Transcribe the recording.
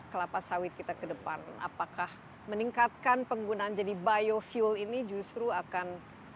kelapa sawit kita ke depan apakah meningkatkan penggunaan jadi biofuel ini justru akan